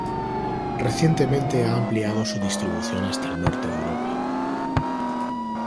Recientemente ha ampliado su distribución hasta el norte de Europa.